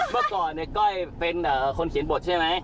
เมื่อก่อนเนี่ยก้อยเป็นคนเขียนบทใช่ไหม